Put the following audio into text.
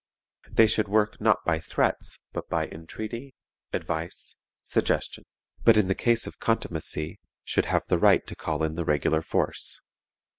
They should work, not by threats, but by entreaty, advice, suggestion; but in case of contumacy, should have the right to call in the regular force.